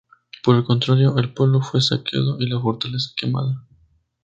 Por el contrario, el pueblo fue saqueado y la fortaleza quemada.